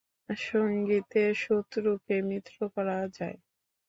সংগীতে শত্রুকে মিত্র করা যায়!